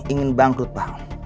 ingin bangkrut pak